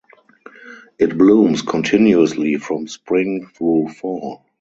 It blooms continuously from spring through fall.